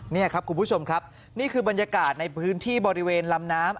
นี่ครับคุณผู้ชมครับนี่คือบรรยากาศในพื้นที่บริเวณลำน้ำ